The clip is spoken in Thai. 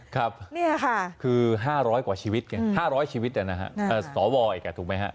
คือ๕๐๐กว่าชีวิต๕๐๐ชีวิตสตวอีกแล้วถูกไหม